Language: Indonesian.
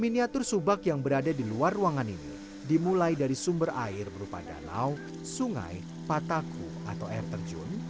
miniatur subak yang berada di luar ruangan ini dimulai dari sumber air berupa danau sungai pataku atau air terjun